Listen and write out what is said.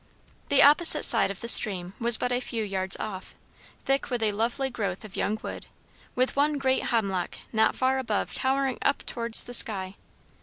The opposite side of the stream was but a few yards off, thick with a lovely growth of young wood, with one great hemlock not far above towering up towards the sky.